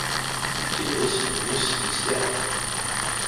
Тевесь ульнесь истя.